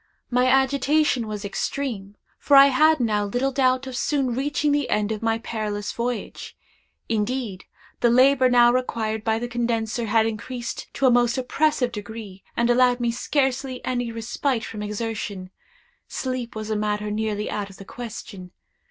My agitation was extreme; for I had now little doubt of soon reaching the end of my perilous voyage. Indeed, the labor now required by the condenser had increased to a most oppressive degree, and allowed me scarcely any respite from exertion. Sleep was a matter nearly out of the question.